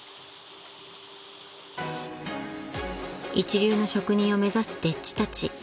［一流の職人を目指す丁稚たち］